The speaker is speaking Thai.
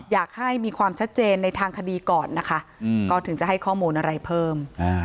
อยากให้มีความชัดเจนในทางคดีก่อนนะคะก็ถึงจะให้ข้อมูลอะไรเพิ่ม